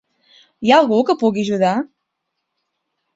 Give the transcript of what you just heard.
Hi ha algú que pugui ajudar?